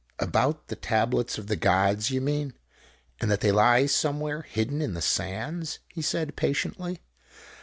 "About the Tablets of the Gods, you mean and that they lie somewhere hidden in the sands," he said patiently.